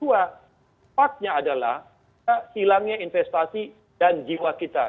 partnya adalah hilangnya investasi dan jiwa kita